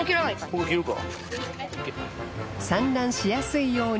・ここ切るか？